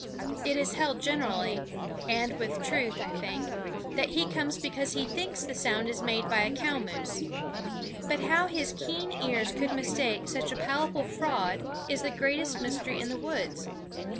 It is held generally and with truth, I think that he comes because he thinks the sound is made by a cow moose. But how his keen ears could mistake such a palpable fraud is the greatest mystery in the woods.